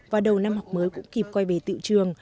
và đầu năm học mới cũng kịp quay về